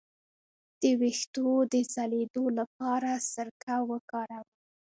د ویښتو د ځلیدو لپاره سرکه وکاروئ